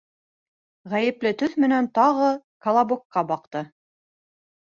Ғәйепле төҫ менән тағы «колобок»ка баҡты.